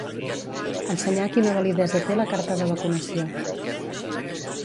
Ensenyar quina validesa té la carta de vacunació.